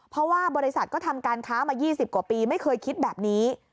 เพราะว่าบริษัทก็ทำการค้ามา๒๐กว่าปีไม่เคยคิดแบบนี้